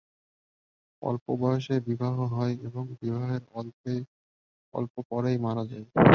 অল্প বয়সেই বিবাহ হয় এবং বিবাহের অল্প পরেই মারা যায়।